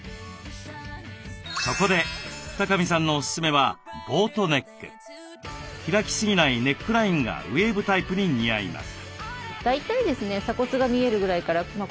そこで二神さんのおすすめはボートネック。開きすぎないネックラインがウエーブタイプに似合います。